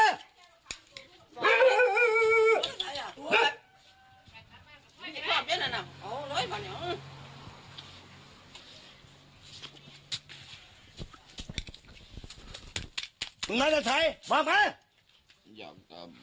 มึงไม่จะสานบอกไหม